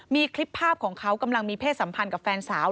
มีคลิปภาพของเขากำลังมีเพศสัมพันธ์กับแฟนสาว